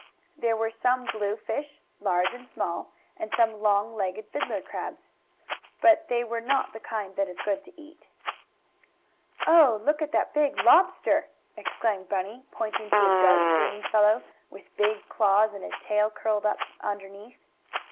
There were some blue fish, large and small, and some long legged "fiddler" crabs. But they were not the kind that is good to eat. "Oh, look at that big lobster!" exclaimed Bunny, pointing to a dark green fellow, with big claws, and a tail curled up underneath.